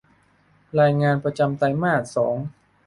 รายงานประจำไตรมาสสอง